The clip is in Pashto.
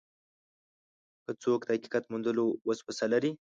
که څوک د حقیقت موندلو وسوسه لري.